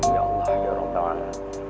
ya allah ya rambang